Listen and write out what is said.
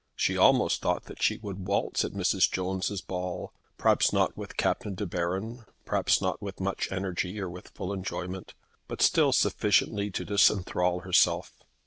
She almost thought that she would waltz at Mrs. Jones's ball; perhaps not with Captain De Baron; perhaps not with much energy or with full enjoyment; but still sufficiently to disenthral herself.